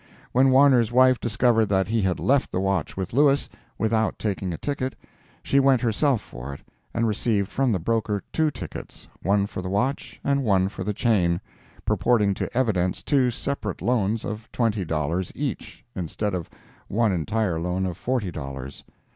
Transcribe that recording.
When Warner's wife discovered that he had left the watch with Lewis, without taking a ticket, she went herself for it, and received from the broker two tickets, one for the watch and one for the chain, purporting to evidence two separate loans of twenty dollars each, instead of one entire loan of forty dollars.